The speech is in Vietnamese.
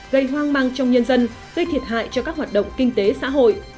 gây hoang mang trong nhân dân gây thiệt hại cho các hoạt động kinh tế xã hội